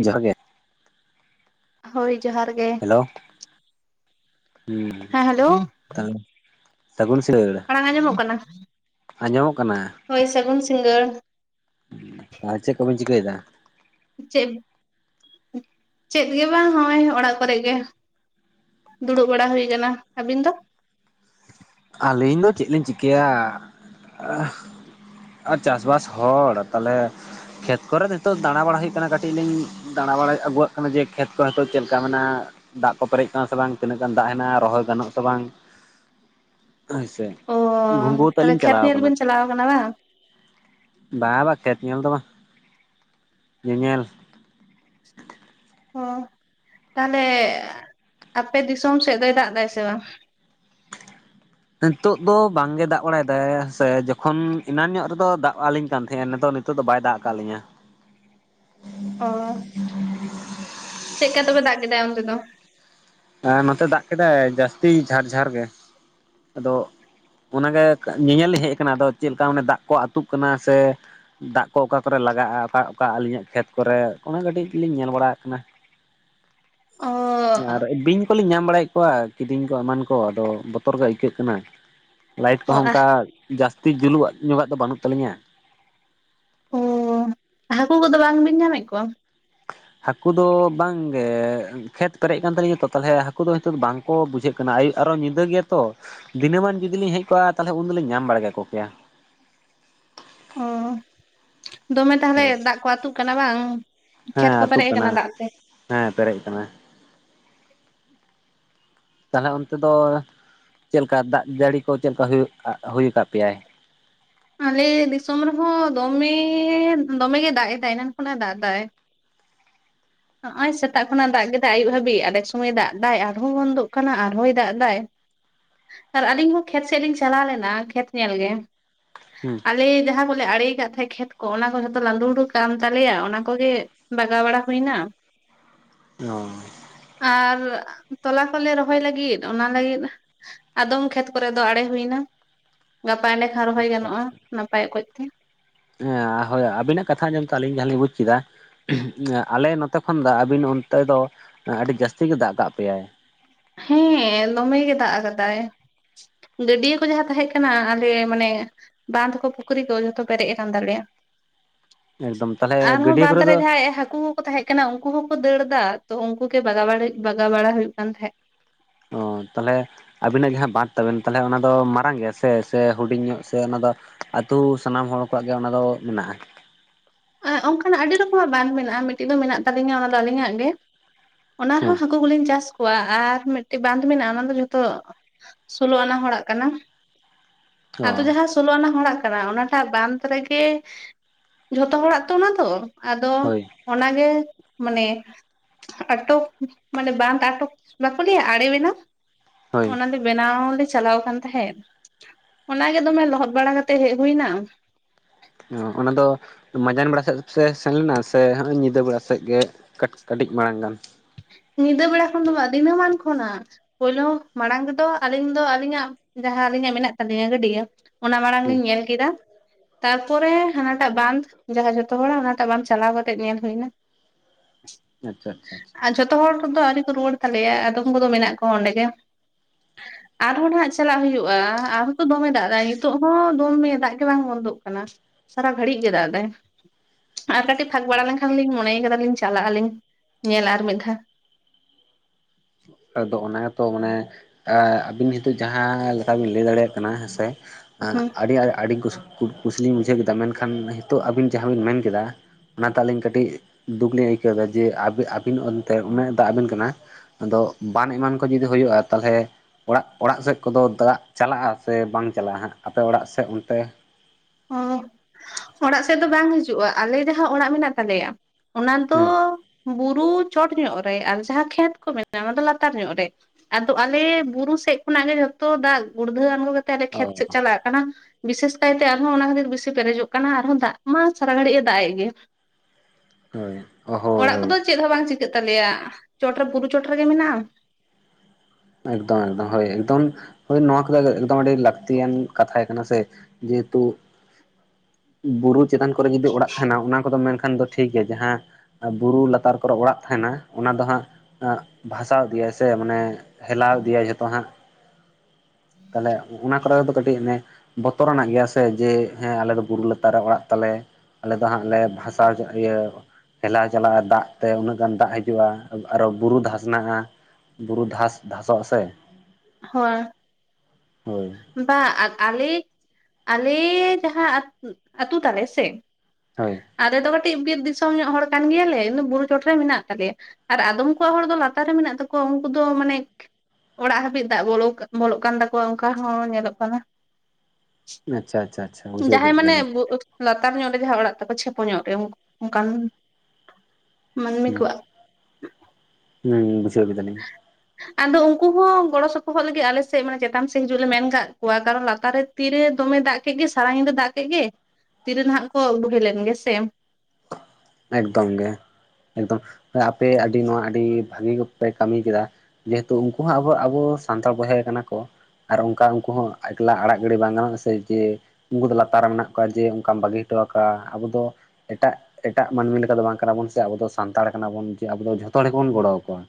ᱡᱚᱦᱟᱨ ᱜᱮ ᱦᱳᱭ ᱡᱚᱦᱟᱨ ᱜᱮ ᱦᱮᱞᱳ ᱦᱮᱸ ᱦᱮᱞᱳ ᱥᱟᱹᱜᱩᱱ ᱥᱤᱜᱟᱹᱲ ᱟᱲᱟᱝ ᱟᱸᱡᱚᱢᱚᱜ ᱠᱟᱱᱟ ᱠᱟᱱᱟ ᱦᱳᱭ ᱥᱟᱹᱜᱩᱱ ᱥᱤᱸᱜᱟᱹᱲ ᱛᱟᱦᱮ ᱪᱮᱫ ᱠᱚᱵᱤᱱ ᱪᱤᱠᱟᱹᱭ-ᱫᱟ? ᱪᱮᱫ ᱪᱮᱫ ᱜᱮ ᱵᱟᱝ ᱦᱚᱜ-ᱚᱭ ᱚᱲᱟᱜ ᱠᱚᱨᱮ ᱜᱮ ᱫᱩᱲᱩᱵ ᱵᱟᱲᱟ ᱦᱩᱭ ᱠᱟᱱᱟ ᱟᱹᱵᱤᱱ ᱫᱚ? ᱟᱹᱞᱤᱧ ᱫᱚ ᱪᱮᱜ ᱞᱤᱧ ᱪᱤᱠᱟᱹᱭᱟ ᱟᱨ ᱪᱟᱥᱵᱟᱥ ᱦᱚᱲ ᱛᱟᱞᱦᱮ ᱠᱷᱮᱛ ᱠᱚᱨᱮ ᱱᱤᱛᱚᱜ ᱫᱟᱬᱟ ᱵᱟᱲᱟ ᱦᱩᱭᱩᱜ ᱠᱟᱱᱟ ᱠᱟᱹᱴᱤᱡ ᱞᱤᱧ ᱫᱟᱬᱟ ᱵᱟᱲᱟᱭ ᱟᱹᱜᱩᱣᱟᱜ ᱠᱟᱱᱟ ᱡᱮ ᱠᱷᱮᱛ ᱠᱚ ᱦᱮᱸᱛᱚᱜ ᱪᱮᱫ ᱞᱮᱠᱟ ᱢᱮᱱᱟᱜ-ᱟ ᱫᱟᱜ ᱠᱚ ᱯᱮᱨᱮᱡ ᱠᱟᱱᱟ ᱥᱮ ᱵᱟᱝ ᱛᱤᱱᱟᱹᱜ ᱜᱟᱱ ᱫᱟᱜ ᱦᱮᱱᱟᱜ-ᱟ ᱨᱚᱦᱚᱭ ᱜᱟᱱᱚᱜ-ᱟ ᱥᱮ ᱵᱟᱝ ᱦᱳᱭ ᱥᱮ ᱚ ᱜᱷᱩᱸᱜᱩ ᱛᱟᱦᱚᱞᱮ ᱟᱛᱮᱞᱤᱧ ᱠᱷᱮᱛ ᱪᱟᱞᱟᱣ ᱧᱮᱞ ᱠᱟᱱᱟ ᱵᱤᱱ ᱪᱟᱞᱟᱣ ᱟᱠᱟᱱᱟ ᱵᱟᱝ ᱵᱟ ᱵᱟ ᱠᱷᱮᱛ ᱧᱮᱞ ᱫᱚ ᱵᱟᱝ ᱧᱮᱧᱮᱞ ᱚ ᱛᱟᱦᱚᱞᱮ ᱟᱯᱮ ᱫᱤᱥᱚᱢ ᱥᱮᱫ ᱫᱚᱭ ᱫᱟᱜ ᱮᱫᱟ ᱥᱮ ᱵᱟᱝ ᱱᱤᱛᱚᱜ ᱫᱚ ᱵᱟᱝᱜᱮ ᱫᱟᱜ ᱵᱟᱲᱟᱭᱮᱫᱟᱭ ᱥᱮ ᱡᱚᱠᱷᱚᱱ ᱮᱱᱟᱱ ᱧᱚᱜ ᱨᱮᱫᱚ ᱫᱟᱜ ᱟᱞᱤᱧ ᱠᱟᱱ ᱛᱟᱦᱮᱸᱱᱟ ᱱᱤᱛᱚᱜ ᱱᱤᱛᱚᱜ ᱫᱚ ᱵᱟᱭ ᱫᱟᱜ ᱠᱟᱜ ᱞᱤᱧᱟ ᱚᱻ ᱪᱮᱫᱠᱟ ᱛᱚᱵᱮ ᱫᱟᱜ ᱠᱮᱫᱟ ᱚᱱᱛᱮ ᱫᱚ ᱮ ᱱᱚᱛᱮ ᱫᱟᱜ ᱠᱮᱫᱟᱭ ᱡᱟᱹᱥᱛᱤ ᱡᱟᱨᱡᱷᱟᱨ ᱜᱮ ᱟᱫᱚ ᱚᱱᱟᱜᱮ ᱧᱮᱧᱮᱞᱤᱧ ᱦᱮᱡ ᱟᱠᱟᱱᱟ ᱟᱫᱚ ᱪᱮᱫ ᱞᱮᱠᱟ ᱚᱱᱮ ᱫᱟᱜ ᱠᱚ ᱟᱹᱛᱩᱜ ᱠᱟᱱᱟ ᱥᱮ ᱫᱟᱜ ᱠᱚ ᱚᱠᱟ ᱠᱚᱨᱮ ᱞᱟᱜᱟᱜ-ᱟ ᱚᱠᱟ ᱚᱠᱟ ᱟᱹᱞᱤᱧᱟᱜ ᱠᱷᱮᱛ ᱠᱚᱨᱮ ᱚᱱᱟ ᱠᱟᱹᱴᱤᱡ ᱞᱤᱧ ᱧᱮᱞ ᱵᱟᱲᱟ ᱠᱟᱱᱟ ᱚ ᱟᱨ ᱵᱤᱧ ᱠᱚᱞᱤᱧ ᱧᱟᱢ ᱵᱟᱲᱟᱭᱮᱫ ᱠᱚᱣᱟ ᱠᱤᱫᱤᱧ ᱠᱚ ᱮᱢᱟᱱ ᱠᱚ ᱟᱫᱚ ᱵᱚᱛᱚᱨ ᱜᱮ ᱟᱹᱭᱠᱟᱹᱜ ᱠᱟᱱᱟ ᱞᱟᱭᱤᱴ ᱚ ᱠᱚᱦᱚᱸ ᱟᱦ ᱚᱱᱠᱟ ᱡᱟᱹᱥᱛᱤ ᱡᱩᱞᱩᱜ ᱧᱚᱜᱟᱜ ᱫᱚ ᱵᱟᱹᱱᱩᱜ ᱛᱟᱹᱟᱞᱤᱧᱟ ᱚ ᱦᱟᱹᱠᱩ ᱠᱚᱫᱚ ᱵᱟᱝᱵᱤᱱ ᱧᱟᱢᱮᱫ ᱠᱚᱣᱟ ᱦᱟᱹᱠᱩ ᱫᱚ ᱵᱟᱝᱜᱮ ᱠᱷᱮᱛ ᱯᱮᱨᱮᱡ ᱠᱟᱱ ᱛᱟᱹᱟᱞᱤᱧᱟ ᱛᱚ ᱛᱟᱞᱦᱮ ᱦᱟᱹᱠᱩ ᱫᱚ ᱱᱤᱛᱳᱜ ᱫᱚ ᱵᱟᱝ ᱠᱚ ᱵᱩᱡᱷᱟᱹᱜ ᱠᱟᱱᱟ ᱟᱭᱩᱵ ᱟᱨᱚ ᱧᱤᱫᱟᱹ ᱜᱮᱭᱟ ᱛᱚ ᱫᱤᱱᱟᱹᱢᱟᱱ ᱡᱩᱫᱤᱧ ᱦᱮᱡ ᱠᱚᱜ-ᱟ ᱛᱟᱦᱚᱞᱮ ᱩᱱ ᱫᱚᱞᱤᱧ ᱧᱟᱢ ᱵᱟᱲᱟ ᱠᱟᱠᱚ ᱠᱮᱭᱟ ᱚ ᱫᱚᱢᱮ ᱛᱟᱦᱚᱞᱮ ᱦᱳᱭ ᱫᱟᱜ ᱠᱚ ᱟᱹᱛᱩᱜ ᱠᱟᱱᱟ ᱵᱟᱝ ᱦᱮᱸ ᱠᱷᱮᱛ ᱠᱚ ᱟᱹᱛᱩᱜ ᱯᱮᱨᱮᱡ ᱠᱟᱱᱟ ᱟᱠᱟᱱᱟ ᱫᱟᱜ ᱛᱮ ᱦᱮᱸ ᱯᱮᱨᱮᱡ ᱠᱟᱱᱟ ᱛᱟᱦᱚᱞᱮ ᱚᱱᱛᱮ ᱫᱚ ᱪᱮᱫ ᱞᱮᱠᱟ ᱫᱟᱜ ᱡᱟᱹᱲᱤ ᱠᱚ ᱪᱮᱫ ᱞᱮᱠᱟ ᱦᱩᱭᱩᱜ ᱦᱩᱭ ᱟᱠᱟᱫ ᱯᱮᱭᱟᱭ ᱟᱞᱮ ᱫᱤᱥᱚᱢ ᱨᱮᱦᱚᱸ ᱫᱚᱢᱮ ᱫᱚᱢᱮᱭ ᱫᱟᱜ ᱮᱫᱟᱭ ᱮᱱᱟᱝ ᱠᱷᱚᱱᱟᱜ ᱫᱟᱜ ᱮᱫᱟᱭ ᱱᱚᱜ-ᱚᱭ ᱥᱮᱛᱟᱜ ᱠᱷᱚᱱᱟᱜ ᱫᱟᱜ ᱠᱮᱫᱟᱭ ᱟᱭᱩᱵ ᱦᱟᱹᱵᱤᱡ ᱮᱠ ᱥᱩᱢᱚᱭ ᱫᱟᱜ ᱮᱫᱟᱭ ᱟᱨᱦᱚᱸ ᱵᱚᱱᱫᱚᱜ ᱠᱟᱱᱟ ᱟᱨᱦᱟᱭ ᱫᱟᱜ ᱮᱫᱟᱭ [inaudible] ᱟᱨ ᱟᱹᱞᱤᱧ ᱦᱚᱸ ᱠᱷᱮᱛ ᱥᱮᱫ ᱞᱤᱧ ᱪᱟᱞᱟᱣ ᱞᱮᱱᱟ ᱠᱷᱮᱛ ᱧᱮᱞ ᱜᱮ ᱦᱩᱸ ᱟᱞᱮ ᱡᱟᱦᱟᱸ ᱠᱚᱞᱮ ᱟᱲᱮ ᱟᱠᱟᱫ ᱛᱟᱦᱮᱸ ᱠᱷᱮᱛ ᱠᱚ ᱚᱱᱟ ᱠᱚ ᱡᱷᱚᱛᱚ ᱞᱟᱹᱰᱩ ᱞᱩᱰᱩ ᱠᱟᱱ ᱛᱟᱞᱮᱭᱟ ᱚᱱᱟ ᱠᱚᱜᱮ ᱵᱟᱜᱟᱣ ᱵᱟᱲᱟ ᱦᱩᱭᱮᱱᱟ ᱚ ᱟᱨ ᱛᱚᱞᱟ ᱠᱚᱞᱮ ᱨᱚᱦᱚᱭ ᱞᱟᱹᱜᱤᱫ ᱚᱱᱟ ᱞᱟᱹᱜᱤᱫ ᱟᱫᱚᱢ ᱠᱷᱮᱛ ᱠᱚᱨᱮ ᱫᱚ ᱟᱲᱮ ᱦᱩᱭᱮᱱᱟ ᱜᱟᱯᱟ ᱮᱸᱰᱮᱠᱷᱟᱱ ᱨᱚᱦᱚᱭ ᱜᱟᱱᱚᱜ-ᱟ ᱟᱪᱪᱷᱟ ᱱᱟᱯᱟᱭ ᱚᱠᱚᱡ ᱛᱮ ᱦᱮᱸ ᱦᱳᱭ ᱟᱵᱤᱱᱟᱜ ᱠᱟᱛᱷᱟ ᱟᱡᱚᱢ ᱛᱮ ᱟᱞᱤᱧ ᱡᱟᱦᱟᱸᱞᱤᱧ ᱵᱩᱡ ᱠᱮᱫᱟ ᱟᱞᱮ ᱱᱚᱛᱮ ᱠᱷᱚᱱ ᱫᱚ ᱟᱵᱤᱱ ᱚᱱᱛᱮ ᱫᱚ ᱟᱹᱰᱤ ᱡᱟᱹᱥᱛᱤ ᱜᱮ ᱫᱟᱜ ᱠᱟᱜ ᱯᱮᱭᱟᱭ ᱦᱮᱸ ᱫᱚᱢᱮ ᱜᱮ ᱫᱟᱜ ᱟᱠᱟᱫᱟᱭ ᱜᱟᱹᱰᱭᱟᱹ ᱠᱚ ᱡᱟᱦᱟᱸ ᱛᱟᱦᱮᱸ ᱠᱟᱱᱟ ᱟᱞᱮ ᱢᱟᱱᱮ ᱵᱟᱸᱫᱷ ᱠᱚ ᱯᱩᱠᱷᱨᱤ ᱠᱚ ᱡᱷᱚᱛᱚ ᱯᱮᱨᱮᱡ ᱠᱟᱱ ᱛᱟᱞᱮᱭᱟ ᱮᱠᱫᱚᱢ ᱛᱟᱦᱚᱞᱮ ᱟᱨᱦᱚᱸ ᱜᱟᱹᱰᱭᱟᱹ ᱠᱚᱨᱮ ᱵᱟᱸᱫᱷ ᱫᱚ ᱡᱟᱦᱟᱸᱭ ᱦᱟᱹᱠᱩ ᱛᱟᱦᱮᱸ ᱠᱟᱱᱟ ᱩᱱᱠᱩ ᱦᱚᱸᱠᱚ ᱫᱟᱹᱲ ᱫᱟ ᱛᱚ ᱩᱱᱠᱩ ᱜᱮ ᱵᱟᱜᱟᱣ ᱵᱟᱲᱟ ᱦᱩᱭᱩᱜ ᱠᱟᱱ ᱛᱟᱦᱮᱸᱫ ᱚ ᱛᱟᱦᱚᱞᱮ ᱟᱹᱵᱤᱱᱟᱜ ᱡᱟᱦᱟᱸ ᱵᱟᱸᱫᱷ ᱛᱟᱵᱤᱱ ᱛᱟᱦᱚᱞᱮ ᱚᱱᱟ ᱫᱚ ᱢᱟᱨᱟᱝ ᱜᱮᱭᱟ ᱥᱮ ᱥᱮ ᱦᱩᱰᱤᱧ ᱧᱚᱜ ᱥᱮ ᱚᱱᱟ ᱫᱚ ᱟᱹᱛᱩ ᱥᱟᱱᱟᱢ ᱦᱚᱲ ᱠᱚᱣᱟᱜ ᱜᱮ ᱚᱱᱟ ᱫᱚ ᱢᱮᱱᱟᱜ-ᱟ ᱮᱜ ᱚᱱᱠᱟᱱᱟᱜ ᱟᱹᱰᱤ ᱨᱚᱠᱚᱢᱟᱜ ᱵᱸᱟᱫᱷ ᱢᱮᱱᱟᱜ-ᱟ ᱢᱤᱫᱴᱤᱡ ᱫᱚ ᱢᱮᱱᱟᱜ ᱛᱟᱹᱞᱤᱧᱟ ᱚᱱᱟ ᱫᱚ ᱟᱹᱞᱤᱧᱟᱜ ᱜᱮ ᱚᱱᱟ ᱦᱮᱸ ᱨᱮᱦᱚᱸ ᱦᱟᱹᱠᱩ ᱠᱚᱞᱤᱧ ᱪᱟᱥ ᱠᱚ ᱠᱚᱣᱟ ᱟᱨ ᱢᱤᱫᱴᱤᱡ ᱵᱟᱸᱫ ᱢᱮᱱᱟᱜ-ᱟ ᱚᱱᱟ ᱫᱚ ᱡᱷᱚᱛᱚ ᱥᱳᱞᱳ ᱟᱱᱟ ᱦᱚᱲᱟᱜ ᱠᱟᱱᱟ ᱟᱫᱚ ᱚ ᱡᱟᱦᱟᱸ ᱥᱳᱞᱳ ᱟᱱᱟ ᱦᱚᱲᱟᱜ ᱠᱟᱱᱟ ᱚᱱᱟᱴᱟᱜ ᱵᱟᱸᱫᱷ ᱨᱮᱜᱮ ᱡᱚᱛᱚ ᱦᱚᱲᱟᱜ ᱛᱚ ᱚᱱᱟ ᱛᱚ ᱟᱫᱚ ᱦᱳᱭ ᱚᱱᱟᱜᱮ ᱢᱟᱱᱮ ᱟᱴᱚᱠ ᱢᱟᱱᱮ ᱵᱟᱸᱫ ᱟᱴᱚᱠ ᱵᱟᱠᱚ ᱞᱟᱹᱭᱟ ᱟᱲᱮ ᱵᱮᱱᱟ ᱦᱳᱭ ᱚᱱᱟ ᱫᱚ ᱵᱮᱱᱟᱣ ᱞᱮ ᱪᱟᱞᱟᱣ ᱠᱟᱱ ᱛᱟᱦᱮᱸᱫ ᱚᱱᱟᱜᱮ ᱫᱚᱢᱮ ᱞᱚᱦᱚᱫ ᱵᱟᱲᱟ ᱠᱟᱛᱮᱜ ᱦᱮᱡ ᱦᱩᱭ ᱮᱱᱟ ᱚ ᱚᱱᱟ ᱫᱚ ᱢᱟᱡᱟᱱ ᱵᱮᱲᱟ ᱥᱮᱫ ᱯᱮ ᱥᱮᱱ ᱞᱮᱱᱟ ᱥᱮ ᱦᱚᱸᱜ-ᱚᱭ ᱧᱤᱫᱟᱹ ᱵᱮᱲᱟ ᱥᱮᱫ ᱜᱮ ᱠᱟᱹᱴᱤᱡ ᱢᱟᱲᱟᱝ ᱜᱟᱱ ᱧᱤᱫᱟᱹ ᱵᱮᱲᱟ ᱠᱷᱚᱱ ᱫᱚ ᱵᱟᱝ ᱫᱤᱱᱟᱹᱢᱟᱱ ᱠᱷᱚᱱᱟᱜ ᱯᱳᱭᱞᱳ ᱢᱟᱲᱟᱝ ᱫᱚ ᱟᱹᱞᱤᱧ ᱫᱚ ᱟᱹᱞᱤᱧᱟᱜ ᱡᱟᱦᱟᱸ ᱟᱹᱞᱤᱧᱟᱜ ᱢᱮᱱᱟᱜ ᱛᱟᱞᱤᱧᱟ ᱜᱟᱹᱰᱭᱟᱹ ᱚᱱᱟ ᱢᱟᱲᱟᱝ ᱦᱩᱸ ᱤᱧ ᱧᱮᱞ ᱠᱮᱫᱟ ᱾ ᱛᱟᱨᱯᱚᱨᱮ ᱦᱟᱱᱟ ᱴᱟᱜ ᱵᱟᱸᱫᱷ ᱡᱟᱦᱟᱸ ᱡᱷᱚᱛᱚ ᱦᱚᱲᱟᱜ ᱚᱱᱟᱴᱟᱜ ᱵᱟᱸᱫᱷ ᱪᱟᱞᱟᱣ ᱠᱟᱛᱮ ᱧᱮᱞ ᱦᱩᱭ ᱮᱱᱟ ᱾ ᱟᱪᱪᱷᱟ ᱟᱪᱪᱷᱟ ᱟᱪᱪᱷᱟ ᱟᱨ ᱡᱷᱚᱛᱚ ᱦᱚᱲᱫᱚ ᱟᱣᱨᱤ ᱠᱚ ᱨᱩᱣᱟᱹᱲ ᱛᱟᱞᱮᱭᱟ ᱟᱫᱚᱢ ᱠᱚᱫᱚ ᱢᱮᱱᱟᱜ ᱠᱚᱣᱟ ᱚᱸᱰᱮ ᱜᱮ ᱾ [inaudible] ᱟᱨᱦᱚᱸ ᱱᱟᱦᱟᱜ ᱪᱟᱞᱟᱜ ᱦᱩᱭᱩᱜᱼᱟ ᱟᱨᱦᱚᱸ ᱛᱚ ᱫᱚᱢᱮ ᱫᱟᱜ ᱮᱫᱟᱭ ᱱᱤᱛᱚᱜ ᱦᱚᱸ ᱫᱚᱢ ᱫᱟᱜ ᱜᱮ ᱵᱟᱝ ᱵᱚᱱᱫᱚᱜ ᱠᱟᱱᱟ ᱾ ᱥᱟᱨᱟ ᱜᱷᱟᱹᱲᱤᱡ ᱫᱟᱜ ᱮᱫᱟᱭ ᱟᱨ ᱠᱟᱹᱴᱤᱡ ᱯᱷᱟᱠ ᱵᱟᱲᱟ ᱞᱮᱱᱠᱷᱟᱱ ᱞᱤᱧ ᱢᱚᱱᱮᱭ ᱠᱟᱫᱟᱞᱤᱧ ᱪᱟᱞᱟᱜ ᱟᱹᱞᱤᱧ ᱧᱮᱞᱟ ᱟᱨ ᱢᱤᱫ ᱫᱷᱟᱣ ᱾ ᱟᱫᱚ ᱚᱱᱟ ᱛᱚ ᱢᱟᱱᱮ ᱟᱹᱵᱤᱱ ᱦᱤᱛᱚᱜ ᱡᱟᱦᱟᱸ ᱞᱮᱠᱟ ᱵᱤᱱ ᱞᱟᱹᱭ ᱫᱟᱲᱮᱭᱟᱜ ᱠᱟᱱᱟ ᱦᱮᱸᱥᱮ ᱦᱩᱸ ᱟᱹᱰᱤ ᱟᱹᱰᱤ ᱠᱩ ᱠᱩᱥᱞᱤᱤᱧ ᱵᱩᱡᱷᱟᱹᱣ ᱠᱮᱫᱟ ᱢᱮᱱᱠᱷᱟᱱ ᱱᱤᱛᱚᱜ ᱟᱹᱵᱤᱱ ᱡᱟᱦᱟᱸ ᱵᱤᱱ ᱢᱮᱱ ᱠᱮᱫᱟ ᱚᱱᱟᱛᱮ ᱟᱹᱞᱤᱧ ᱠᱟᱹᱴᱤᱡ ᱫᱩᱠ ᱞᱤᱧ ᱟᱹᱭᱠᱟᱹᱣ ᱮᱫᱟ ᱡᱮ ᱟᱹᱵᱤᱱ ᱟᱹᱵᱤᱱᱛᱮ ᱩᱱᱟᱹᱜ ᱫᱟᱜ ᱟᱹᱵᱤᱱ ᱠᱟᱱᱟ ᱟᱫᱚ ᱵᱟᱱ ᱮᱢᱟᱱ ᱠᱚ ᱡᱩᱫᱤ ᱦᱩᱭᱩᱜᱼᱟ ᱛᱟᱦᱞᱮ ᱚᱲᱟᱜ ᱚᱲᱟᱜ ᱥᱮᱫ ᱠᱚᱫᱚ ᱫᱟᱜ ᱪᱟᱞᱟᱜᱼᱟ ᱥᱮ ᱵᱟᱝ ᱪᱟᱞᱟᱜᱼᱟ ᱦᱟᱸᱜ ᱟᱯᱮ ᱚᱲᱟᱜ ᱥᱮᱫ ᱚᱱᱛᱮ? ᱚ ᱚᱲᱟᱜ ᱥᱮᱫ ᱫᱚ ᱵᱟᱝ ᱦᱤᱡᱩᱜᱼᱟ ᱟᱞᱮ ᱡᱟᱦᱟᱸ ᱚᱲᱟᱜ ᱢᱮᱱᱟᱜ ᱛᱟᱞᱮᱭᱟ ᱚᱱᱟ ᱫᱚ ᱦᱩᱸ ᱵᱩᱨᱩ ᱪᱚᱴ ᱧᱚᱜ ᱨᱮ ᱟᱨ ᱡᱟᱦᱟᱸ ᱠᱷᱮᱛ ᱠᱚ ᱢᱮᱱᱟᱜ-ᱟ ᱚᱱᱟ ᱫᱚ ᱞᱟᱛᱟᱨ ᱧᱚᱜ ᱨᱮ ᱾ ᱟᱫᱚ ᱟᱞᱮ ᱵᱩᱨᱩ ᱥᱮᱫ ᱠᱷᱚᱱᱟᱜ ᱜᱮ ᱡᱷᱚᱛᱚ ᱫᱟᱜ ᱜᱩᱲᱫᱷᱟᱹᱣ ᱟᱲᱜᱚ ᱠᱟᱛ ᱛᱮ ᱟᱞᱮ ᱚ ᱠᱷᱮᱛ ᱥᱮᱫ ᱪᱟᱞᱟᱜ ᱠᱟᱱᱟ ᱵᱤᱥᱮᱥ ᱠᱟᱭ ᱛᱮ ᱟᱨᱦᱚᱸ ᱚᱱᱟ ᱠᱷᱟᱹᱛᱤᱨ ᱵᱮᱥᱤ ᱯᱮᱨᱮᱡᱚᱜ ᱠᱟᱱᱟ ᱟᱨᱦᱚᱸ ᱫᱟᱜ ᱢᱟ ᱥᱟᱨᱟ ᱜᱷᱟᱹᱲᱤᱡ ᱮ ᱫᱟᱜ ᱮᱫ ᱜᱮ ᱾ ᱦᱩᱸ, ᱚ ᱦᱳᱭ ᱠᱚᱫᱚ ᱦᱳᱭ ᱪᱮᱫ ᱦᱚᱸ ᱵᱟᱝ ᱪᱤᱠᱟᱹᱜ ᱛᱟᱞᱮᱭᱟ ᱪᱚᱴᱨᱮ ᱵᱩᱨᱩ ᱪᱚᱴ ᱨᱮᱜᱮ ᱢᱮᱱᱟᱜᱼᱟ ᱾ ᱮᱠᱫᱚᱢ ᱮᱠᱫᱚᱢ ᱦᱳᱭ ᱮᱠᱫᱚᱢ ᱦᱳᱭ ᱱᱚᱣᱟ ᱠᱚᱫᱚ ᱮᱠᱫᱚᱢ ᱟᱹᱰᱤ ᱞᱟᱹᱠᱛᱤᱭᱟᱱ ᱠᱟᱛᱷᱟᱭ ᱠᱟᱱᱟ ᱥᱮ ᱾ ᱡᱮᱦᱮᱛᱩ ᱵᱩᱨᱩ ᱪᱮᱛᱟᱱ ᱠᱚᱨᱮ ᱡᱩᱫᱤ ᱚᱲᱟᱜ ᱛᱟᱦᱮᱱᱟ ᱚᱱᱟ ᱠᱚᱫᱚ ᱢᱮᱱᱠᱷᱟᱱ ᱫᱚ ᱴᱷᱤᱠ ᱜᱮᱭᱟ ᱡᱟᱸᱦᱟ ᱟ ᱵᱩᱨᱩ ᱞᱟᱛᱟᱨ ᱠᱚᱨᱮᱜ ᱚᱲᱟᱜ ᱛᱟᱸᱦᱮᱱᱟ, ᱚᱱᱟ ᱫᱚ ᱦᱟᱸᱜ ᱵᱷᱟᱥᱟᱣ ᱤᱫᱤᱭᱟᱭ ᱥᱮ ᱢᱟᱱᱮ ᱦᱮᱞᱟᱣ ᱤᱫᱤᱭᱟ ᱡᱷᱚᱛᱚ ᱦᱟᱸᱜ, ᱛᱟᱦᱞᱮ ᱚᱱᱟ ᱠᱚᱨᱮ ᱫᱚ ᱠᱟᱹᱴᱤᱡ ᱚᱱᱮ ᱵᱚᱛᱚᱨ ᱟᱱᱟᱜ ᱜᱮᱭᱟ ᱥᱮ, ᱡᱮ ᱦᱮᱸ ᱟᱞᱮ ᱫᱚ ᱵᱩᱨᱩ ᱞᱟᱛᱟ ᱨᱮ ᱚᱲᱟᱜ ᱛᱟᱞᱮ᱾ ᱟᱞᱮ ᱫᱚ ᱦᱟᱸᱜ ᱞᱮ ᱵᱷᱟᱥᱟᱣ ᱡᱚᱜ ᱤᱭᱟᱹ ᱴᱷᱮᱞᱟᱣ ᱪᱟᱞᱟᱜᱼᱟ ᱫᱟᱜ ᱛᱮ ᱩᱱᱟᱹᱜ ᱜᱟᱱ ᱫᱟᱜ ᱦᱤᱡᱩᱜᱼᱟ, ᱟᱨᱚ ᱵᱩᱨᱩ ᱫᱷᱟᱥᱱᱟᱜ-ᱟ᱾ ᱵᱩᱨᱩ ᱫᱷᱟᱥ ᱫᱷᱟᱥᱚᱜ-ᱟ ᱥᱮ, ᱦᱳᱭ ᱦᱳᱭ᱾ ᱵᱟᱝ ᱟᱞᱮ ᱟᱞᱮ ᱡᱟᱸᱦᱟ ᱟᱹᱛᱩ ᱛᱟᱞᱮ ᱥᱮ ᱦᱳᱭ᱾ ᱟᱞᱮ ᱫᱚ ᱠᱟᱹᱴᱤᱡ ᱵᱤᱨ ᱫᱤᱥᱚᱢ ᱧᱚᱜ ᱦᱚᱲ ᱠᱟᱱ ᱜᱮᱭᱟ ᱞᱮ, ᱤᱱᱟᱹ ᱵᱩᱨᱩ ᱪᱚᱴ ᱨᱮ ᱢᱮᱱᱟᱜ ᱠᱟᱜ ᱞᱮᱭᱟ᱾ ᱟᱨ ᱟᱫᱚᱢ ᱠᱚᱣᱟᱜ ᱦᱚᱲ ᱫᱚ ᱞᱟᱛᱟᱨ ᱨᱮ ᱢᱮᱱᱟᱜ ᱛᱟᱠᱚᱣᱟ ᱩᱱᱠᱩ ᱫᱚ ᱢᱟᱱᱮ ᱚᱲᱟᱜ ᱦᱟᱹᱵᱤᱡ ᱫᱟᱜ ᱵᱚᱞᱚ ᱵᱚᱞᱚᱜ ᱠᱟᱱ ᱛᱟᱠᱚᱣᱟ ᱚᱱᱠᱟ ᱦᱚᱸ ᱧᱮᱞᱚᱜ ᱠᱟᱱᱟ᱾ ᱟᱪᱪᱷᱟ ᱟᱪᱪᱷᱟ ᱟᱪᱪᱷᱟ, ᱵᱩᱡᱷᱟᱹᱣ ᱡᱟᱦᱟᱸᱭ ᱠᱮᱫ ᱜᱮᱭᱟ ᱢᱟᱱᱮ ᱞᱤᱧ᱾ ᱞᱟᱛᱟᱨ ᱧᱚᱜ ᱨᱮ ᱡᱟᱸᱦᱟ ᱚᱲᱟᱜ ᱛᱟᱠᱚ, ᱪᱷᱮᱯᱚ ᱧᱚᱜ ᱨᱮ ᱚᱱᱠᱟᱱ ᱢᱟᱹᱱᱢᱤ ᱠᱚᱣᱟᱜ ᱦᱩᱸᱢ ᱵᱩᱡᱷᱟᱹᱣ ᱠᱮᱫᱟᱞᱤᱧ ᱾ ᱟᱫᱚ ᱩᱱᱠᱩ ᱦᱚᱸ ᱜᱚᱲᱚ ᱥᱚᱯᱚᱦᱚᱫ ᱞᱟᱹᱜᱤᱫ ᱟᱞᱮ ᱥᱮᱫ ᱢᱟᱱᱮ ᱪᱮᱛᱟᱱ ᱥᱮᱫ ᱦᱤᱡᱩᱜ ᱞᱮ ᱢᱮᱱ ᱠᱟᱜ ᱠᱚᱣᱟ ᱠᱟᱨᱚᱱ ᱞᱟᱛᱟᱨ ᱨᱮ᱾ ᱛᱤᱨᱮ ᱫᱚᱢᱮ ᱫᱟᱜ ᱠᱮᱫ ᱜᱮ ᱥᱟᱨᱟ ᱧᱤᱫᱟᱹ ᱫᱟᱜ ᱠᱮᱫ ᱜᱮ ᱛᱤᱨᱮ ᱱᱟᱦᱟᱜ ᱠᱚ ᱵᱩᱦᱮᱞᱮᱱ ᱜᱮ ᱥᱮ ᱮᱠᱫᱚᱢ ᱜᱮ ᱮᱠᱫᱚᱢ ᱟᱯᱮ ᱟᱹᱰᱤ ᱱᱚᱣᱟ ᱟᱹᱰᱤ ᱵᱷᱟᱹᱜᱤ ᱜᱮᱯᱮ ᱠᱟᱹᱢᱤ ᱠᱮᱫᱟ᱾ ᱡᱮᱦᱮᱛᱩ ᱩᱱᱠᱩ ᱦᱚᱸ ᱟᱵᱚ ᱟᱵᱚ ᱥᱟᱱᱛᱟᱲ ᱵᱚᱭᱦᱟ ᱜᱮ ᱠᱟᱱᱟ ᱠᱚ ᱾ ᱟᱨ ᱚᱱᱠᱟ ᱩᱱᱠᱩ ᱦᱚᱸ ᱮᱠᱞᱟ ᱟᱲᱟᱜ ᱜᱟᱹᱰᱤ ᱵᱟᱝ ᱜᱟᱱᱚᱜ-ᱟ ᱥᱮ ᱡᱮ ᱩᱱᱠᱩ ᱫᱚ ᱞᱟᱛᱟᱨ ᱨᱮ ᱢᱮᱱᱟᱜ ᱠᱚᱣᱟ ᱡᱮ ᱚᱱᱠᱟᱢ ᱵᱟᱹᱜᱤ ᱦᱚᱴᱚ ᱟᱠᱚᱣᱟ ᱟᱵᱩ ᱫᱚ ᱮᱴᱟᱜ ᱮᱴᱟᱜ ᱢᱟᱹᱱᱢᱤ ᱞᱮᱠᱟ ᱫᱚ ᱵᱟᱝ ᱠᱟᱱᱟ ᱵᱩᱱ ᱥᱮ ᱟᱵᱩ ᱫᱚ ᱥᱟᱱᱛᱟᱲ ᱠᱟᱱᱟ ᱵᱩᱱ ᱡᱮ ᱟᱵᱩ ᱡᱷᱚᱛᱚ ᱦᱚᱲ ᱜᱮᱵᱚᱱ ᱜᱚᱲᱚ ᱟᱠᱚᱣᱟ᱾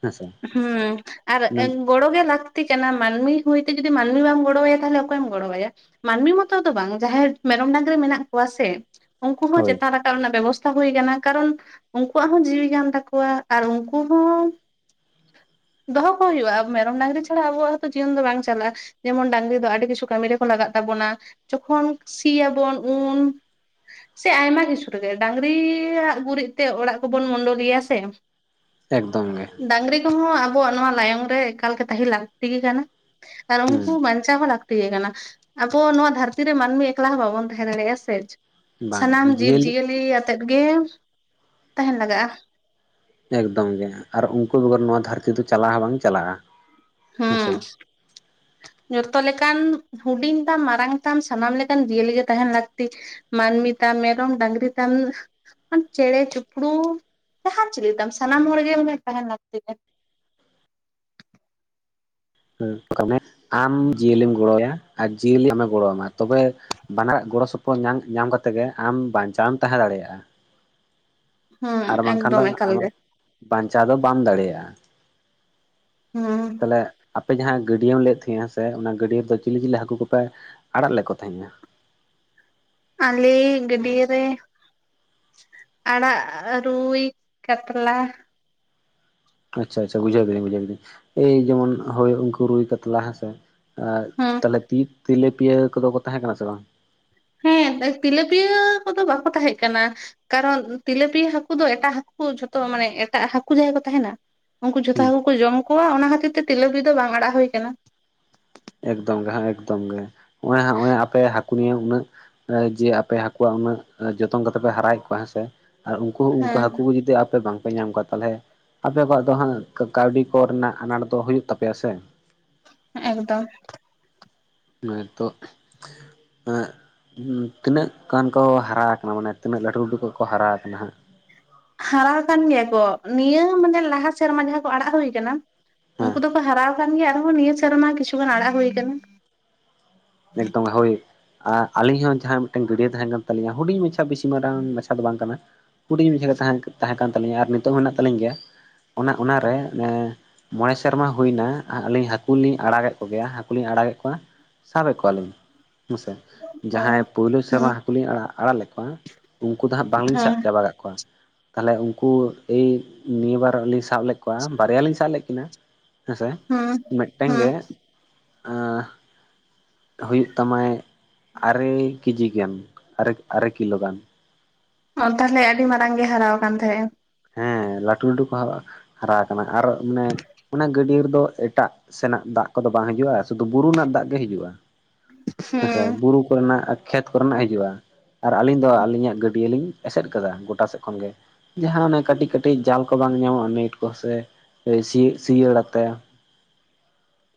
ᱦᱮᱸᱥᱮ ᱦᱩᱸᱢ ᱟᱨ ᱜᱚᱲᱚ ᱜᱮ ᱞᱟᱹᱠᱛᱤ ᱠᱟᱱᱟ ᱢᱟᱹᱱᱢᱤ ᱦᱩᱭᱛᱮ ᱡᱩᱫᱤ ᱢᱟᱹᱱᱢᱤ ᱵᱟᱢ ᱜᱚᱲᱚᱣᱟᱭᱟ, ᱛᱟᱦᱞᱮ ᱚᱠᱚᱭᱮᱢ ᱜᱚᱲᱚ ᱟᱭᱟ? ᱢᱟᱹᱱᱢᱤ ᱢᱚᱛᱚ ᱫᱚ ᱵᱟᱝ ᱡᱟᱦᱟᱸᱭ ᱢᱮᱨᱚᱢ ᱰᱟᱝᱨᱤ ᱢᱮᱱᱟᱜ ᱠᱚᱣᱟ ᱥᱮ ᱩᱱᱠᱩ ᱦᱚᱸ ᱦᱳᱭ ᱪᱮᱛᱟᱱ ᱨᱟᱠᱟ ᱨᱮᱱᱟᱜ ᱵᱮᱵᱚᱥᱛᱟ ᱦᱩᱭ ᱠᱟᱱᱟ ᱠᱟᱨᱚᱱ ᱩᱱᱠᱩᱣᱟᱜ ᱦᱚᱸ ᱡᱤᱣᱤ ᱠᱟᱱ ᱛᱟᱠᱚᱣᱟ ᱟᱨ ᱩᱱᱠᱩ ᱦᱚᱸ [unintelligible] ᱫᱚᱦᱚ ᱠᱚ ᱦᱩᱭᱩᱜ-ᱟ ᱢᱮᱨᱚᱢ ᱰᱟᱝᱨᱤ ᱪᱷᱟᱲᱟ ᱟᱵᱚᱣᱟᱜ ᱦᱚᱸᱛᱚ ᱡᱤᱭᱚᱱ ᱫᱚ ᱵᱟᱝ ᱪᱟᱞᱟᱜ-ᱟ ᱾ ᱡᱮᱢᱚᱱ ᱰᱟᱝᱨᱤ ᱫᱚ ᱟᱹᱰᱤ ᱠᱤᱪᱷᱩ ᱠᱟᱹᱢᱤ ᱨᱮᱠᱚ ᱞᱟᱜᱟᱜ ᱛᱟᱵᱚᱱᱟ ᱡᱚᱠᱷᱚᱱ ᱥᱤ ᱟᱵᱚᱱ ᱩᱱ᱾ ᱥᱮ ᱟᱭᱢᱟ ᱠᱤᱪᱷᱩ ᱨᱮᱜᱮ ᱰᱟᱝᱜᱨᱤᱭᱟᱜ ᱜᱩᱨᱤᱡ ᱛᱮ ᱚᱲᱟᱜ ᱠᱚᱵᱚᱱ ᱢᱳᱰᱚᱞᱤᱭᱟ ᱥᱮ ᱮᱠᱫᱚᱢ ᱜᱮ ᱰᱟᱝᱨᱤ ᱠᱚᱦᱚ ᱟᱵᱚᱣᱟᱜ ᱱᱚᱣᱟ ᱞᱟᱭᱚᱝ ᱨᱮ ᱮᱠᱟᱞ ᱜᱮ ᱛᱟᱸᱦᱮ ᱞᱟᱹᱠᱛᱤ ᱠᱟᱱᱟ ᱟᱨ ᱦᱩᱸ ᱩᱱᱠᱩ᱾ ᱪᱟᱧᱪᱟᱣ ᱦᱚᱸ ᱞᱟᱹᱠᱛᱤ ᱜᱮ ᱠᱟᱱᱟ ᱟᱵᱚ ᱱᱚᱣᱟ ᱫᱷᱟᱹᱨᱛᱤ ᱨᱮ ᱢᱟᱹᱱᱢᱤ ᱮᱠᱞᱟ ᱦᱚᱸ ᱵᱟᱵᱚᱱ ᱛᱟᱦᱮᱸ ᱫᱟᱲᱮᱭᱟᱜ-ᱟ ᱥᱮ ᱾ ᱵᱟᱝ ᱥᱟᱱᱟᱢ ᱡᱤᱭᱟᱹᱞᱤ ᱡᱤᱵᱡᱤᱭᱟᱹᱞᱤ ᱟᱛᱮ ᱜᱮ ᱛᱟᱦᱮᱱ ᱞᱟᱜᱟᱜ-ᱟ ᱾ ᱮᱠᱫᱚᱢ ᱜᱮ ᱟᱨ ᱩᱱᱠᱩ ᱵᱮᱜᱚᱨ ᱱᱚᱣᱟ ᱫᱷᱟᱹᱨᱛᱤ ᱫᱚ ᱪᱟᱞᱟᱜ ᱦᱚᱸ ᱵᱟᱝ ᱪᱟᱞᱟᱜ-ᱟ ᱾ ᱦᱩᱸ ᱡᱚᱛᱚ ᱞᱮᱠᱟᱱ ᱦᱩᱰᱤᱧ ᱛᱟᱢ ᱢᱟᱨᱟᱝ ᱛᱟᱢ ᱥᱟᱱᱟᱢ ᱞᱮᱠᱟᱱ ᱡᱤᱭᱟᱹᱞᱤᱜᱮ ᱛᱟᱦᱮᱱ ᱞᱟᱹᱠᱛᱤ ᱾ ᱢᱟᱱᱢᱤ ᱛᱟᱢ ᱢᱮᱨᱚᱢ ᱰᱟᱹᱝᱨᱤ ᱛᱟᱢ ᱪᱮᱬᱮ ᱪᱩᱯᱲᱩ ᱡᱟᱦᱟᱱ ᱪᱤᱞ ᱛᱟᱢ ᱥᱟᱱᱟᱢ ᱦᱚᱲ ᱜᱮ ᱛᱟᱦᱮᱱ ᱞᱟᱹᱠᱛᱤ ᱠᱟᱱᱟ ᱾ ᱦᱮᱸ ᱟᱢ ᱡᱤᱭᱟᱹᱞᱤᱢ ᱜᱚᱲᱚ ᱟᱭᱟ ᱟᱨ ᱡᱤᱭᱟᱹᱞᱤ ᱟᱢᱮ ᱜᱚᱲᱚ ᱟᱢᱟ ᱛᱚᱵᱮ ᱵᱟᱱᱟᱨᱟᱜ ᱜᱚᱲᱚ ᱥᱚᱯᱚᱦᱚᱫ ᱧᱟᱢ ᱧᱟᱢ ᱠᱟᱛᱮᱫ ᱜᱮ ᱟᱢ ᱵᱟᱧᱪᱟᱣᱮᱢ ᱛᱟᱸᱦᱮ ᱫᱟᱲᱮᱭᱟᱜ-ᱟ᱾ ᱦᱩᱸ ᱟᱨ ᱵᱟᱝᱠᱷᱟᱱ ᱫᱚ ᱮᱠᱫᱚᱢ ᱮᱠᱟᱞ ᱟᱢ᱾ ᱜᱮ ᱵᱟᱧᱪᱟᱣ ᱫᱚ ᱵᱟᱢ ᱫᱟᱲᱮᱭᱟᱜ-ᱟ ᱦᱩᱸ ᱛᱟᱦᱞᱮ᱾ ᱟᱯᱮ ᱡᱟᱦᱟᱸ ᱜᱟᱹᱰᱭᱟᱹᱢ ᱞᱟᱹᱭᱮᱫ ᱛᱟᱦᱮ-ᱟ ᱦᱮᱥᱮ ᱚᱱᱟ ᱜᱟᱹᱰᱭᱟᱹᱫᱚ ᱪᱤᱞᱤ ᱪᱤᱞᱤ ᱦᱟᱹᱠᱩ ᱠᱚᱯᱮ ᱟᱲᱟᱜ ᱞᱮᱠᱚ ᱛᱟᱦᱮᱜ-ᱟ᱾ ᱟᱞᱮ ᱜᱟᱹᱰᱭᱟᱹ ᱨᱮ ᱟᱲᱟᱜ ᱨᱩᱭ ᱠᱟᱛᱞᱟ ᱟᱪᱪᱷᱟ ᱟᱪᱪᱷᱟ ᱵᱩᱡᱷᱟᱹᱣ ᱠᱮᱫᱟᱹᱧ ᱵᱩᱡᱟᱹᱣ ᱠᱮᱫᱟᱹᱧ ᱮᱭ ᱡᱮᱢᱚᱱ ᱦᱳᱭ ᱩᱱᱠᱩ ᱨᱩᱭ ᱠᱟᱛᱞᱟ ᱦᱮᱸ ᱥᱮᱼᱼ ᱦᱩᱸ ᱛᱟᱦᱞᱮ [unintelligible] ᱛᱮᱞᱮᱯᱤᱭᱟᱹ ᱠᱚᱫᱚ ᱠᱚ ᱛᱟᱦᱮᱸ ᱠᱟᱱᱟ ᱥᱮ ᱵᱟᱝ? ᱦᱮᱸ ᱛᱮᱞᱮᱯᱤᱭᱟᱹ ᱠᱚᱫᱚ ᱵᱟᱠᱚ ᱛᱟᱦᱮᱸᱜ ᱠᱟᱱᱟ᱾ ᱠᱟᱨᱚᱱ ᱛᱮᱞᱮᱯᱤᱭᱟᱹ ᱦᱟᱹᱠᱩ ᱫᱚ ᱮᱴᱟᱜ ᱦᱟᱹᱠᱩ ᱠᱚ ᱡᱷᱚᱛᱚ ᱢᱟᱱᱮ ᱮᱴᱟᱜ ᱦᱟᱹᱠᱩ ᱡᱟᱦᱟᱸᱭ ᱠᱚ ᱛᱟᱦᱮᱱᱟᱼᱼ ᱩᱱᱠᱩ ᱡᱷᱚᱛᱚ ᱦᱩᱸ ᱦᱟᱹᱠᱩ ᱠᱚ ᱡᱚᱢ ᱠᱚᱣᱟ ᱚᱱᱟ ᱠᱷᱟᱹᱛᱤᱨ ᱛᱮ ᱛᱮᱞᱮᱯᱤᱭᱟᱹ ᱫᱚ ᱵᱟᱝ ᱟᱲᱟᱜ ᱦᱩᱭ ᱠᱟᱱᱟ᱾ ᱮᱠᱫᱚᱢ ᱜᱮ ᱦᱮ ᱮᱠᱫᱚᱢ ᱜᱮ ᱦᱚᱜᱼᱚᱭ ᱦᱚᱜ-ᱚᱭ ᱟᱯᱮᱼᱼ [unintelligible] ᱩᱱᱟᱹᱜ ᱡᱮ ᱟᱯᱮ ᱦᱟᱹᱠᱩᱣᱟᱜ ᱩᱱᱟᱹᱜ ᱡᱚᱛᱚᱱ ᱠᱟᱛᱮ ᱯᱮ ᱦᱟᱨᱟᱭᱮᱫ ᱠᱚᱣᱟ ᱦᱮᱸᱥᱮ ᱟᱨ ᱩᱱ ᱼᱼ ᱠᱩ ᱩᱱᱠᱩ ᱦᱮᱸ ᱦᱟᱹᱠᱩ ᱠᱚ ᱡᱩᱫᱤ ᱟᱯᱮ ᱵᱟᱝᱯᱮ ᱧᱟᱢ ᱠᱚᱣᱟᱼᱼ ᱛᱟᱦᱚᱞᱮ ᱟᱯᱮ ᱠᱚᱣᱟᱜ ᱫᱚ ᱦᱟᱸᱜ ᱠᱟ ᱠᱟᱹᱣᱰᱤ ᱠᱚᱨᱮᱱᱟᱜ ᱟᱱᱟᱴ ᱫᱚ ᱦᱩᱭᱩᱜ ᱛᱟᱯᱮᱭᱟ ᱥᱮᱼᱼ ᱮᱠᱫᱚᱢ ᱱᱤᱛᱚᱜ ᱮᱸᱜ ᱼᱼ ᱛᱤᱱᱟᱹᱜ ᱜᱟᱱ ᱠᱚ ᱦᱟᱨᱟ ᱟᱠᱟᱱᱟ? ᱢᱟᱱᱮ ᱛᱤᱱᱟᱹᱜ ᱞᱟᱹᱴᱩ ᱞᱟᱹᱴᱩ ᱠᱚ ᱠᱚ ᱦᱟᱨᱟ ᱟᱠᱟᱱᱟ ᱦᱟᱸᱜ? ᱦᱟᱨᱟ ᱟᱠᱟᱱ ᱜᱮᱭᱟ ᱠᱚ᱾ ᱱᱤᱭᱟᱹ ᱢᱟᱱᱮ ᱞᱟᱦᱟ ᱥᱮᱨᱢᱟ ᱡᱟᱦᱟᱸ ᱠᱚ ᱟᱲᱟᱜ ᱦᱳᱭ ᱠᱟᱱᱟᱼᱼ ᱩᱱᱠᱩ ᱫᱚᱠᱚ ᱦᱟᱨᱟ ᱟᱠᱟᱱ ᱜᱮᱭᱟ ᱟᱨᱦᱚᱸ ᱱᱤᱭᱟᱹ ᱥᱮᱨᱢᱟ ᱠᱤᱪᱷᱩᱜᱟᱱ ᱟᱲᱟᱜ ᱦᱩᱭ ᱟᱠᱟᱱᱟ᱾ ᱮᱠᱫᱚᱢ ᱦᱳᱭ᱾ ᱟᱨ ᱟᱹᱞᱤᱧ ᱦᱚᱸ ᱡᱟᱦᱟᱸ ᱢᱤᱫᱴᱟᱝ ᱜᱟᱹᱰᱭᱟᱹ ᱛᱟᱦᱮᱸ ᱠᱟᱱ ᱛᱟᱹᱞᱤᱧᱟ ᱦᱩᱰᱤᱧ ᱢᱟᱪᱷᱟ ᱵᱮᱥᱤ ᱢᱟᱨᱟᱝ ᱢᱟᱪᱷᱟ ᱫᱚ ᱵᱟᱝ ᱠᱟᱱᱟᱼᱼ ᱦᱩᱰᱤᱧ ᱢᱟᱪᱷᱟ ᱜᱮ ᱛᱟᱦᱮᱸ ᱛᱟᱦᱮᱸ ᱠᱟᱱ ᱛᱟᱹᱞᱤᱧᱟ ᱟᱨ ᱱᱤᱛᱚᱜ ᱦᱚᱸ ᱢᱮᱱᱟᱜ ᱛᱟᱹᱞᱤᱧ ᱜᱮᱭᱟ ᱚᱱᱮ ᱚᱱᱟᱨᱮ ᱮᱼᱼ ᱢᱚᱬᱮ ᱥᱮᱨᱢᱟ ᱦᱩᱭᱱᱟ ᱟᱹᱞᱤᱧ ᱦᱟᱹᱠᱩ ᱞᱤᱧ ᱟᱲᱟᱜᱮᱫ ᱠᱚᱜᱮᱭᱟ ᱦᱟᱹᱠᱩ ᱞᱤᱧ ᱟᱲᱟᱜᱮᱫ ᱠᱚᱣᱟᱼᱼ ᱥᱟᱵ ᱮᱫ ᱠᱚᱣᱟᱞᱤᱧ ᱦᱮᱸᱥᱮ ᱚ ᱡᱟᱦᱟᱸᱭ ᱯᱳᱭᱞᱳ ᱦᱩᱸ ᱥᱮᱨᱢᱟ ᱦᱟᱹᱠᱩ ᱞᱤᱧ ᱟᱲᱟᱜ ᱟᱲᱟᱜ ᱞᱮᱫ ᱠᱚᱣᱟᱼᱼ ᱩᱱᱠᱩ ᱫᱚ ᱦᱟᱸᱜ ᱵᱟᱝᱞᱤᱧ ᱥᱟᱵ ᱦᱮᱸ ᱪᱟᱵᱟ ᱠᱟᱫ ᱠᱚᱣᱟ᱾ ᱛᱟᱦᱚᱞᱮ ᱩᱱᱠᱩ ᱮᱭ ᱱᱤᱭᱟᱹ ᱵᱟᱨ ᱞᱤᱧ ᱥᱟᱵ ᱞᱮᱫ ᱠᱚᱣᱟ ᱵᱟᱨᱭᱟ ᱞᱤᱧ ᱥᱟᱵ ᱞᱮᱫ ᱠᱤᱱᱟᱼᱼ ᱦᱮᱸᱥᱮ ᱦᱩᱸ ᱢᱮᱫᱴᱮᱝ ᱦᱩᱸ ᱜᱮ ᱟᱸᱼᱼ ᱦᱩᱭᱩᱜ ᱛᱟᱢᱟᱭ ᱟᱨᱮ ᱠᱮᱡᱤ ᱜᱟᱱ ᱟᱨᱮ ᱟᱨᱮ ᱠᱤᱞᱳ ᱜᱟᱱ᱾ ᱚ ᱛᱟᱦᱚᱞᱮ ᱟᱹᱰᱤ ᱢᱟᱨᱟᱝ ᱜᱮ ᱦᱟᱨᱟ ᱟᱠᱟᱱ ᱛᱟᱦᱮᱸᱫᱼᱟ᱾ ᱦᱮᱸ ᱞᱟᱹᱴᱩ ᱞᱟᱹᱴᱩ ᱠᱚ ᱦᱟᱨᱟ ᱟᱠᱟᱱᱟ ᱟᱨ ᱢᱟᱱᱮᱼᱼ ᱚᱱᱟ ᱜᱟᱹᱰᱭᱟᱹ ᱨᱮᱫᱚ ᱮᱴᱟᱜ ᱥᱮᱱᱟᱜ ᱫᱟᱜ ᱠᱚᱫᱚ ᱵᱟᱝ ᱦᱤᱡᱩᱜᱼᱟ ᱥᱩᱫᱷᱩ ᱵᱩᱨᱩ ᱨᱮᱱᱟᱜ ᱫᱟᱜ ᱜᱮ ᱦᱤᱡᱩᱜᱼᱟ᱾ ᱦᱮᱸᱥᱮ ᱦᱩᱸ ᱵᱩᱨᱩ ᱠᱚᱨᱮᱱᱟᱜ ᱠᱷᱮᱛ ᱠᱚᱨᱮᱱᱟᱜ ᱦᱤᱡᱩᱜᱼᱟ᱾ ᱟᱨ ᱟᱹᱞᱤᱧ ᱫᱚ ᱟᱹᱞᱤᱧᱟᱜ ᱜᱟᱹᱰᱭᱟᱹ ᱞᱤᱧ ᱮᱥᱮᱫ ᱠᱟᱫᱟ ᱜᱚᱴᱟ ᱥᱮᱫ ᱠᱷᱚᱱ ᱜᱮ ᱡᱟᱦᱟᱸ ᱚᱱᱮᱼᱼ ᱠᱟᱹᱴᱤᱡ ᱠᱟᱹᱴᱤᱡ ᱡᱟᱞ ᱠᱚ ᱵᱟᱝ ᱧᱟᱢᱚᱜᱼᱟ ᱱᱮᱹᱴ ᱠᱚ ᱥᱮ [unintelligible] ᱥᱤᱭᱟᱲᱟᱛᱮᱼᱼ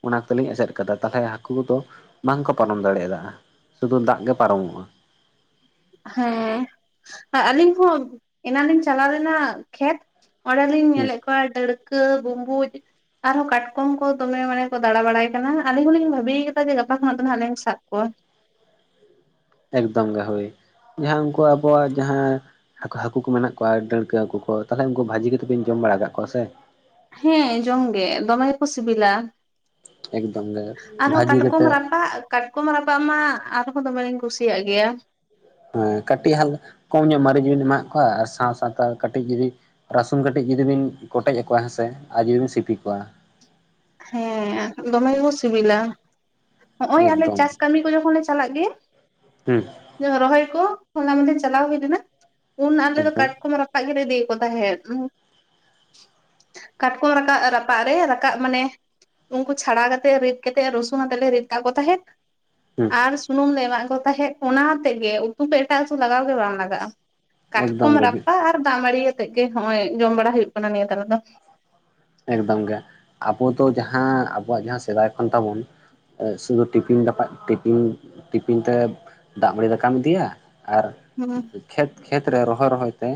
ᱚᱱᱟ ᱛᱮᱞᱤᱧ ᱮᱥᱮᱫ ᱟᱠᱟᱫᱟ ᱛᱟᱦᱚᱞᱮ ᱦᱟᱹᱠᱩ ᱠᱚ ᱫᱚ ᱵᱟᱝ ᱠᱚ ᱯᱟᱨᱚᱢ ᱫᱟᱲᱮ ᱟᱫᱟᱼᱼ ᱥᱩᱫᱷᱩ ᱫᱟᱜ ᱜᱮ ᱯᱟᱨᱚᱢᱚᱜᱼᱟ᱾ ᱦᱮᱸ ᱟᱹᱞᱤᱧ ᱦᱚᱸ ᱮᱱᱟᱝ ᱞᱤᱧ ᱪᱟᱞᱟᱣ ᱞᱮᱱᱟ ᱠᱷᱮᱛᱼᱼ ᱚᱸᱰᱮ ᱞᱤᱧ ᱦᱮᱸ ᱧᱮᱞᱮᱫ ᱠᱚᱣᱟ ᱰᱟᱹᱲᱠᱟᱹ ᱵᱩᱢᱵᱩᱡᱼᱼ ᱟᱨᱦᱚᱸ ᱠᱟᱴᱠᱚᱢ ᱠᱚ ᱫᱚᱢᱮ ᱢᱟᱱᱮ ᱠᱚ ᱫᱟᱬᱟ ᱵᱟᱲᱟᱭ ᱠᱟᱱᱟ ᱟᱹᱞᱤᱧ ᱦᱚᱞᱤᱧ ᱵᱷᱟᱹᱵᱤ ᱟᱠᱟᱫᱟ ᱡᱮ ᱜᱟᱯᱟ ᱠᱷᱚᱱᱟᱜ ᱫᱚ ᱞᱤᱧ ᱥᱟᱵ ᱠᱚᱣᱟ᱾ ᱮᱠᱫᱚᱢ ᱜᱮ ᱦᱳᱭ᱾ ᱡᱟᱦᱟᱸ ᱩᱱᱠᱩ ᱟᱵᱚᱣᱟᱜ ᱡᱟᱦᱟᱸᱼᱼ ᱦᱟᱹᱠᱩ ᱦᱟᱹᱠᱩ ᱠᱚ ᱢᱮᱱᱟᱜ ᱠᱚᱣᱟ ᱰᱟᱹᱲᱠᱟᱹ ᱦᱟᱹᱠᱩ ᱠᱚ ᱛᱟᱦᱚᱞᱮ ᱩᱱᱠᱩ ᱵᱷᱟᱹᱡᱤ ᱠᱟᱛᱮᱫ ᱵᱤᱱ ᱡᱚᱢ ᱵᱟᱲᱟ ᱟᱠᱟᱫ ᱠᱚᱣᱟ ᱥᱮᱼᱼ ᱦᱮᱸ ᱡᱚᱢ ᱜᱮ ᱫᱚᱢᱮ ᱜᱮᱠᱚ ᱥᱤᱵᱤᱞᱟ᱾ ᱮᱠᱫᱚᱢ ᱜᱮ [inaudible] ᱟᱨᱦᱚᱸ ᱵᱷᱟᱹᱡᱤ ᱠᱟᱴᱠᱚᱢ ᱠᱟᱛᱮᱫ ᱨᱟᱯᱟᱜᱼᱼ ᱠᱟᱴᱠᱚᱢ ᱨᱟᱯᱟᱜ ᱢᱟ ᱟᱨᱦᱚᱸ ᱫᱚᱢᱮ ᱞᱤᱧ ᱠᱩᱥᱤᱭᱟᱜ ᱜᱮᱭᱟ᱾ ᱦᱮᱸ ᱠᱟᱹᱴᱤᱡ [unintelligible] ᱠᱚᱢ ᱧᱚᱜ ᱢᱟᱨᱤᱡ ᱵᱤᱱ ᱮᱢᱟᱜ ᱠᱚᱣᱟ ᱟᱨ ᱥᱟᱶ ᱥᱟᱶᱛᱮ ᱠᱟᱹᱴᱤᱡ ᱡᱩᱫᱤᱼᱼ ᱨᱟᱹᱥᱩᱱ ᱠᱟᱹᱴᱤᱡ ᱡᱩᱫᱤ ᱵᱤᱱ ᱠᱚᱴᱮᱡ ᱟᱠᱚᱣᱟ ᱦᱮᱸᱥᱮ ᱟᱨ ᱡᱩᱫᱤ ᱵᱤᱱ ᱥᱤᱯᱤ ᱠᱚᱣᱟᱼᱼ ᱦᱮᱸ ᱫᱚᱢᱮ ᱜᱮᱠᱚ ᱥᱤᱵᱤᱞᱟ᱾ ᱱᱚᱸᱜᱼᱚᱭ ᱟᱞᱮ ᱮᱠᱫᱚᱢ ᱪᱟᱥ ᱠᱟᱹᱢᱤ ᱠᱚ ᱡᱚᱠᱷᱚᱱ ᱞᱮ ᱪᱟᱞᱟᱜ ᱜᱮᱼᱼ ᱦᱩᱸ [unintelligible] ᱨᱚᱦᱚᱭ ᱠᱚ ᱦᱚᱞᱟ ᱢᱟᱦᱫᱮᱨ ᱪᱟᱞᱟᱣ ᱦᱩᱭ ᱞᱮᱱᱟ ᱩᱱ ᱟᱞᱮ ᱫᱚ ᱮᱠᱫᱚᱢ ᱠᱟᱴᱠᱚᱢ ᱨᱟᱯᱟᱜᱼᱼ ᱨᱟᱯᱟᱜ ᱜᱮᱞᱮ ᱤᱫᱤᱭᱮᱫ ᱠᱚ ᱛᱟᱸᱦᱮᱫ᱾ ᱠᱟᱴᱠᱚᱢ [unintelligible] ᱨᱟᱯᱟᱜ ᱨᱮ [unintelligible] ᱢᱟᱱᱮᱼᱼ ᱩᱱᱠᱩ ᱪᱷᱟᱲᱟᱣ ᱠᱟᱛᱮᱫ ᱨᱤᱫ ᱠᱟᱛᱮᱜ ᱨᱚᱥᱩᱱ ᱟᱛᱮᱫ ᱞᱮ ᱨᱤᱫ ᱠᱟᱠᱚ ᱛᱟᱦᱮᱸᱫᱼᱼ ᱦᱩᱸ ᱟᱨ ᱥᱩᱱᱩᱢ ᱞᱮ ᱮᱢᱟᱫ ᱠᱚ ᱛᱟᱦᱮᱸᱫ᱾ ᱚᱱᱟ ᱟᱛᱮᱫ ᱜᱮ ᱩᱛᱩ ᱫᱚ ᱮᱴᱟᱜ ᱩᱛᱩ ᱞᱟᱜᱟᱣ ᱜᱮ ᱵᱟᱝ ᱞᱟᱜᱟᱜᱼᱟ᱾ ᱮᱠᱫᱚᱢ ᱠᱟᱴᱠᱚᱢ ᱜᱮ ᱨᱟᱯᱟᱜᱼᱼ ᱫᱟᱜ ᱢᱟᱲᱤ ᱟᱛᱮᱜ ᱜᱮ ᱦᱚᱜᱼᱚᱭ ᱡᱚᱢ ᱵᱟᱲᱟ ᱦᱩᱭᱩᱜ ᱠᱟᱱᱟ ᱱᱤᱭᱟᱹ ᱛᱟᱨᱟ ᱫᱚ ᱮᱠᱫᱚᱢ ᱜᱮ ᱟᱵᱚ ᱫᱚ ᱡᱟᱦᱟᱸ ᱟᱵᱚᱣᱟᱜ ᱡᱟᱦᱟᱸ ᱥᱮᱫᱟᱭ ᱠᱷᱚᱱ ᱛᱟᱵᱳᱱ ᱥᱩᱫᱩ ᱴᱤᱯᱤᱱ ᱫᱟᱯᱟ ᱴᱤᱯᱤᱱ ᱴᱤᱯᱤᱱ ᱛᱮ ᱫᱟᱜ ᱢᱟᱹᱲᱤ ᱫᱟᱠᱟᱢ ᱤᱫᱤᱭᱟ ᱟᱨ ᱦᱩᱸ ᱠᱷᱮᱛ ᱠᱷᱮᱛ ᱨᱮ ᱨᱚᱦᱚᱭ ᱨᱚᱦᱚᱭ ᱛᱮ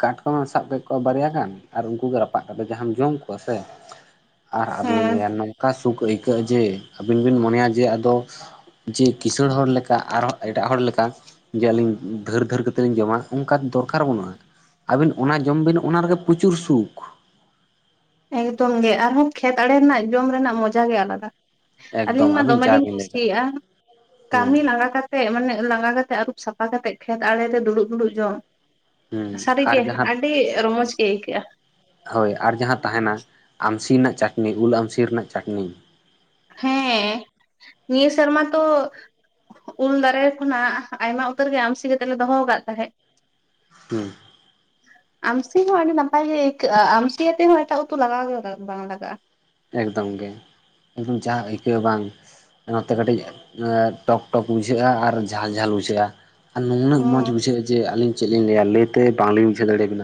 ᱠᱟᱴᱠᱚᱢ ᱮᱢ ᱥᱟᱵ ᱠᱮᱫ ᱠᱚᱣᱟ ᱵᱟᱨᱭᱟ ᱜᱟᱱ ᱟᱨ ᱩᱱᱠᱩ ᱜᱮ ᱨᱟᱯᱟᱜ ᱠᱟᱛᱮ ᱡᱚ ᱡᱟᱦᱟᱢ ᱡᱚᱢ ᱠᱚᱣᱟ ᱥᱮ ᱟᱨ ᱟᱞᱚᱢᱚ ᱦᱮᱸ ᱞᱮᱭᱟ ᱱᱚᱝ ᱚᱝᱠᱟ ᱥᱩᱠ ᱟᱹᱭᱠᱟᱹᱜᱼᱟ ᱡᱮ ᱟᱹᱵᱤᱱ ᱵᱤᱱ ᱢᱚᱱᱮᱭᱟ ᱡᱮ ᱟᱫᱚ ᱡᱮ ᱠᱤᱥᱟᱹᱲ ᱦᱚᱲ ᱞᱮᱠᱟ ᱟᱨᱦᱚᱸ ᱮᱴᱟᱜ ᱦᱚᱲ ᱞᱮᱠᱟ ᱡᱮ ᱟᱹᱞᱤᱧ ᱫᱷᱟᱹᱨᱼ ᱫᱷᱟᱹᱨ ᱠᱟᱛᱮᱫ ᱞᱤᱧ ᱡᱚᱢᱟ ᱚᱱᱠᱟ ᱫᱚ ᱫᱚᱨᱠᱟᱨ ᱵᱟᱹᱱᱩᱜᱼᱟ᱾ ᱟᱹᱵᱤᱱ ᱚᱱᱟ ᱡᱚᱢ ᱵᱤᱱ ᱚᱱᱟ ᱨᱮᱜᱮ ᱯᱩᱪᱩᱨ ᱥᱩᱠ᱾ ᱮᱠᱫᱚᱢ ᱜᱮ ᱟᱨᱦᱚᱸ ᱠᱷᱮᱛ ᱟᱲᱮ ᱨᱮᱱᱟᱜ ᱡᱚᱢ ᱨᱮᱱᱟᱜ ᱢᱚᱡᱟ ᱜᱮ ᱟᱞᱟᱫᱟ᱾ ᱟᱹᱞᱤᱧ ᱮᱠᱫᱚᱢ ᱢᱟ ᱟᱹᱵᱤᱱ ᱫᱚᱢᱮ ᱡᱟ ᱞᱤᱧ ᱵᱤᱱ ᱞᱟᱹᱭ ᱠᱮᱫ ᱠᱩᱥᱤᱭᱟᱜᱼᱟ [unintelligible] ᱦᱮᱸ ᱠᱟᱹᱢᱤ ᱞᱟᱸᱜᱟ ᱠᱟᱛᱮᱼᱼ ᱢᱟᱱᱮ ᱞᱟᱸᱜᱟ ᱠᱟᱛᱮᱫ ᱟᱹᱨᱩᱵ ᱥᱟᱯᱟ ᱠᱟᱛᱮᱫ ᱠᱷᱮᱛ ᱟᱲᱮ ᱨᱮ ᱫᱩᱲᱩᱵ ᱫᱩᱲᱩᱵ ᱡᱚᱢ ᱦᱮᱸ ᱥᱟᱹᱨᱤ ᱟᱨ ᱜᱮ ᱡᱟᱦᱟᱸ ᱟᱹᱰᱤ ᱨᱚᱢᱚᱡᱽ ᱜᱮ ᱟᱹᱭᱠᱟᱹᱜᱼᱟ᱾ ᱦᱳᱭ ᱟᱨ ᱡᱟᱦᱟᱸ ᱛᱟᱦᱮᱱᱟ ᱟᱢᱥᱤ ᱱᱟᱜ ᱪᱟᱹᱴᱱᱤ ᱩᱞ ᱟᱢᱥᱤ ᱨᱮᱱᱟᱜ ᱪᱟᱹᱴᱱᱤ ᱦᱮᱸ ᱱᱤᱭᱟ ᱥᱮᱨᱢᱟ ᱛᱚ ᱩᱞ ᱫᱟᱨᱮ ᱠᱷᱚᱱᱟᱜ ᱟᱭᱢᱟ ᱩᱛᱟᱹᱨ ᱜᱮ ᱟᱢᱥᱤ ᱠᱟᱛᱮᱜ ᱞᱮ ᱫᱚᱦᱚ ᱠᱟᱜ ᱛᱟᱦᱮᱸᱫ᱾ ᱦᱩᱸ ᱟᱢᱥᱤ ᱦᱚᱸ ᱟᱹᱰᱤ ᱱᱟᱯᱟᱭ ᱜᱮ ᱟᱹᱭᱠᱟᱹᱜᱼᱟ ᱟᱢᱥᱤ ᱭᱟᱛᱮ ᱦᱚᱸ ᱮᱴᱟᱜ ᱩᱛᱩ ᱞᱟᱜᱟᱣ ᱜᱮ ᱵᱟᱝ ᱞᱟᱜᱟᱜᱼᱟ᱾ ᱮᱠᱫᱚᱢ ᱜᱮ ᱮᱠᱫᱚᱢ ᱡᱟᱸ ᱟᱹᱭᱠᱟᱹ ᱵᱟᱝ ᱱᱚᱛᱮ ᱠᱟᱹᱴᱤᱡ ᱴᱚᱠ ᱴᱚᱠ ᱵᱩᱡᱷᱟᱹᱜᱼᱟ ᱟᱨ ᱡᱷᱟᱞ ᱡᱷᱟᱹᱞ ᱵᱩᱡᱷᱟᱹᱜᱼᱟ᱾ ᱟᱨ ᱱᱩᱱᱟᱹᱜ ᱢᱚᱡᱸ ᱦᱚᱸ ᱵᱩᱡᱷᱟᱹᱜᱼᱟ ᱡᱮ ᱟᱹᱞᱤᱧ ᱪᱮᱫ ᱞᱤᱧ ᱞᱟᱹᱭᱟ ᱞᱟᱹᱭᱛᱮ ᱵᱟᱝ ᱞᱤᱧ ᱵᱩᱡᱷᱟᱹᱣ ᱫᱟᱲᱮ ᱵᱤᱱᱟ